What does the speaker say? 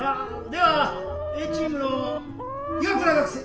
ではＡチームの岩倉学生。